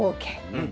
うん。